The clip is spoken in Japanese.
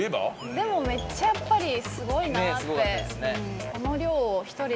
でもめっちゃやっぱりすごいなって。